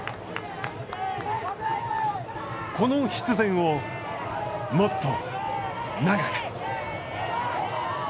この必然をもっと長く。